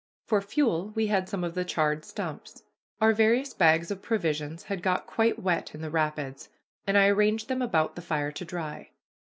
For fuel we had some of the charred stumps. Our various bags of provisions had got quite wet in the rapids, and I arranged them about the fire to dry.